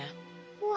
うわ！